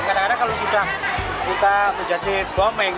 kadang kadang kalau sudah kita menjadi boming